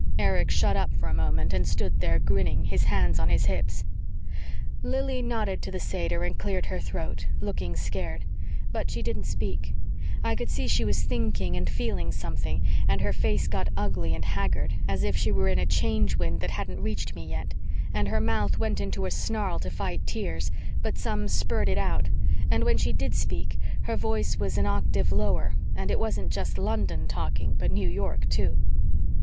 Erich shut up for a moment and stood there grinning, his hands on his hips. Lili nodded to the satyr and cleared her throat, looking scared. But she didn't speak; I could see she was thinking and feeling something, and her face got ugly and haggard, as if she were in a Change Wind that hadn't reached me yet, and her mouth went into a snarl to fight tears, but some spurted out, and when she did speak her voice was an octave lower and it wasn't just London talking but New York too.